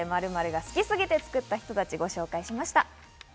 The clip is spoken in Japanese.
○○が好きすぎて作った人たち、ご紹介しました。